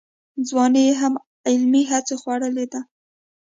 ځواني یې هم علمي هڅو خوړلې ده.